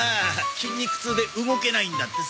筋肉痛で動けないんだってさ。